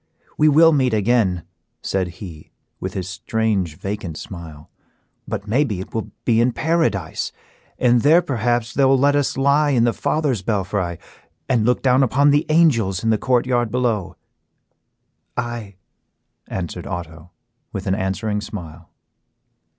"We will meet again," said he, with his strange, vacant smile, "but maybe it will be in Paradise, and there perhaps they will let us lie in the father's belfry, and look down upon the angels in the court yard below." "Aye," answered Otto, with an answering smile.